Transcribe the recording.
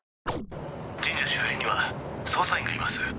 神社周辺には捜査員がいます